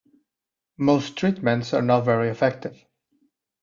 Most treatments are not very effective.